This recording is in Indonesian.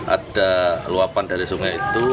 ada luapan dari sungai itu